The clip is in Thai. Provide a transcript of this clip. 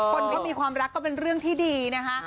คนเขามีความรักก็เป็นเรื่องที่ดีนะคะ